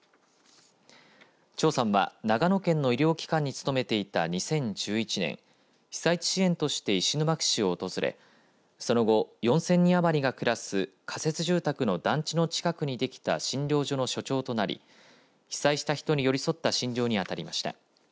長さんは長野県の医療機関に勤めていた２０１１年被災地支援として石巻市を訪れその後、４０００人余りが暮らす仮設住宅の団地の近くにできた診療所の所長となり被災した人に寄り添った診療に当たりました。